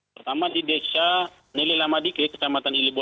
pertama di desa nelilamadike kecamatan ibu